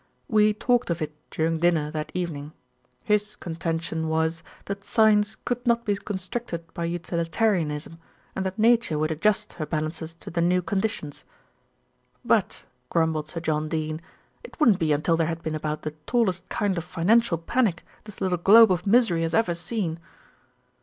"We talked of it during dinner that evening. His contention was that science could not be constricted by utilitarianism, and that Nature would adjust her balances to the new conditions." "But," grumbled Sir John Dene, "it wouldn't be until there had been about the tallest kind of financial panic this little globe of misery has ever seen."